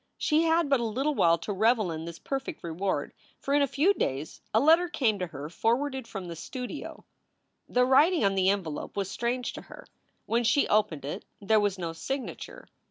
She had but a little while to revel in this perfect reward, for in a few days a letter came to her, forwarded from the studio. The writing on the envelope was strange to her. When she opened it there was no signature.